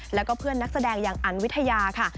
แล้วก็เพื่อนนักแสดงอย่างอันวิทยาค่ะ